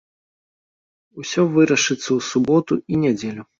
Усё вырашыцца ў суботу і нядзелю.